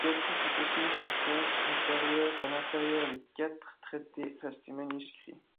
Béatrice a consigné son expérience intérieure à l'intérieur de quatre traités, restés manuscrits.